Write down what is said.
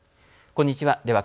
こんにちは。